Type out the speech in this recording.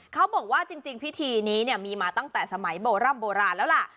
เขาบอกว่าจริงพิธีนี้มีมาตั้งแต่สมัยโบร่ำโบราณแล้วล่ะ